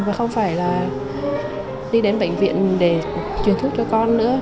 và không phải là đi đến bệnh viện để truyền thức cho con nữa